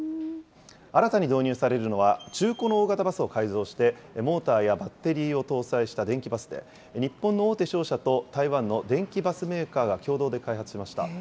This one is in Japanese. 新たに導入されるのは中古の大型バスを改造して、モーターやバッテリーを搭載した電気バスで、日本の大手商社と台湾の電気バスメーカーが共同で開発しました。